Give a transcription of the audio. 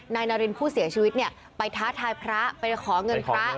นายนารินผู้เสียชีวิตเนี่ยไปท้าทายพระไปขอเงินพระ